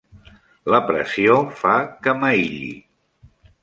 La pressió fa que m'aïlli.